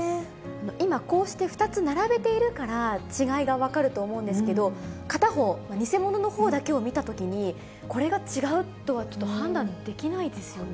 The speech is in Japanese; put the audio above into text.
今、こうして２つ並べているから違いが分かると思うんですけど、片方、偽物のほうだけを見たときに、これが違うとは、ちょっと判難しい。